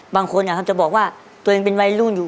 บางคนจะบอกว่าตัวเองเป็นวัยรุ่นอยู่